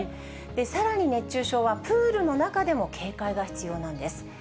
さらに熱中症は、プールの中でも警戒が必要なんです。